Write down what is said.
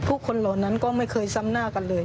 ผู้คนเหล่านั้นก็ไม่เคยซ้ำหน้ากันเลย